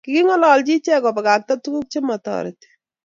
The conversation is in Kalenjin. king'ololchi ichek kobakakta tukuk chemotoreti.